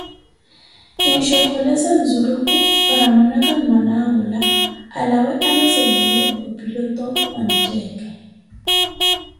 Kinshokoleza nzurukhu para mwanaka amana awula, alawe alozeliwe opilottho wa ntteeke.